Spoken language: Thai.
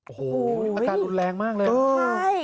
โอ้โหกรรมตานรุนแรงมากเลย